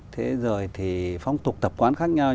thế rồi thì phong tục tập quán khác nhau